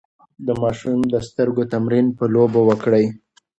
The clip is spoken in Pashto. د ماشوم د سترګو تمرين په لوبو وکړئ.